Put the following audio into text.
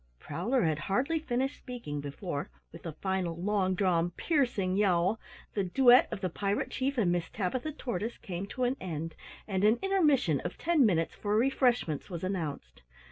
Prowler had hardly finished speaking before, with a final long drawn piercing yowl, the duet of the Pirate Chief and Miss Tabitha Tortoise came to an end, and an intermission of ten minutes for refreshments was announced.